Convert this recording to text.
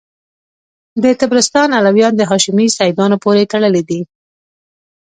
د طبرستان علویان د هاشمي سیدانو پوري تړلي دي.